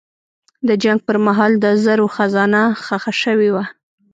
د جنګ پر مهال د زرو خزانه ښخه شوې وه.